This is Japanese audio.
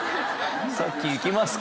さっき「行きますか」